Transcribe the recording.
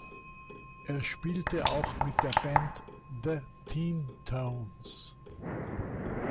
Er spielte auch mit der Band "The Teen Tones".